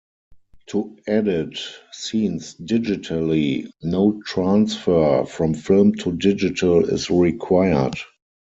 To edit scenes digitally, no transfer from film to digital is required.